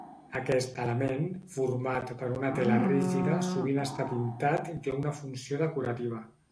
Aquest element, format per una tela rígida sovint està pintat i té una funció decorativa.